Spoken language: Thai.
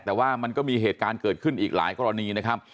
แต่ว่ามันก็มีเหตุการณ์เกิดขึ้นอีกหลายกรณีนะครับ